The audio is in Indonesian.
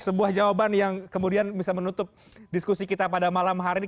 sebuah jawaban yang kemudian bisa menutup diskusi kita pada malam hari ini